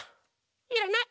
いらない！